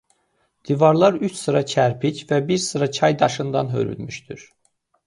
Divarlar üç sıra kərpic və bir sıra çay daşından hörülmüşdür.